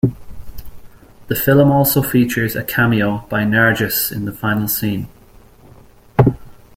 The film also features a cameo by Nargis in the final scene.